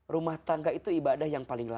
rumah tangga itu ibadah yang paling lama